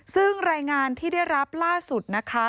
ซึ่งรายงานที่ได้รับล่าสุดนะคะ